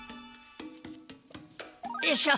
よいしょ